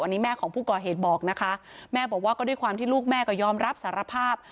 อันนี้แม่ของผู้ก่อเหตุบอกนะคะแม่บอกว่าก็ด้วยความที่ลูกแม่ก็ยอมรับสารภาพ